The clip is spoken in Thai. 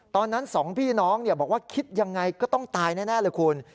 สองพี่น้องบอกว่าคิดยังไงก็ต้องตายแน่เลยคุณ